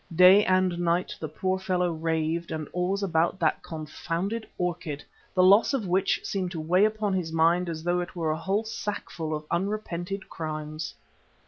Day and night the poor fellow raved and always about that confounded orchid, the loss of which seemed to weigh upon his mind as though it were a whole sackful of unrepented crimes.